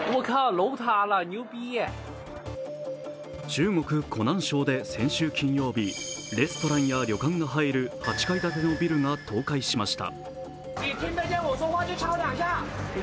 中国・湖南省で先週金曜日、レストランや旅館が入る８階建てのビルが倒壊しました。